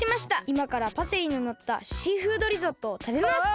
いまからパセリののったシーフードリゾットをたべます！